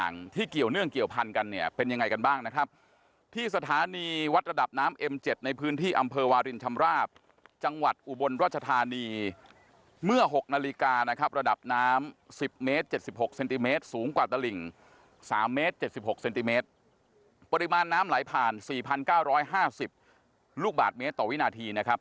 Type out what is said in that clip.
๓เมตร๗๖เซนติเมตรปริมาณน้ำไหลผ่าน๔๙๕๐ลูกบาทเมตรต่อวินาทีนะครับ